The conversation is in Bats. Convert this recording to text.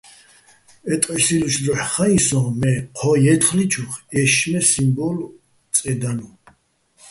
ე ტყუ́ჲჰ̦სილლუჩო̆ დროჰ̦ ხაჸი სოჼ, მე ჴო ჲე́თხლიჩოხ ეშშმეჼ სიმბო́ლო̆ წედანო̆.